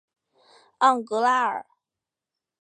昂格拉尔。